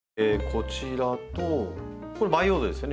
こちらとこれ「培養土」ですよね。